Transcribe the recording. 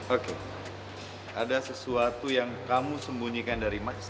oke ada sesuatu yang kamu sembunyikan dari max